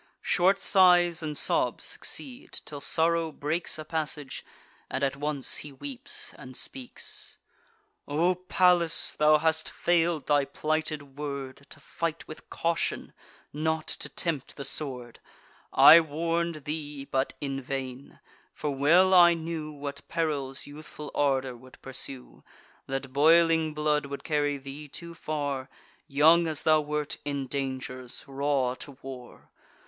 Short sighs and sobs succeed; till sorrow breaks A passage, and at once he weeps and speaks: "O Pallas! thou hast fail'd thy plighted word, To fight with caution, not to tempt the sword! I warn'd thee, but in vain; for well I knew What perils youthful ardour would pursue, That boiling blood would carry thee too far, Young as thou wert in dangers, raw to war!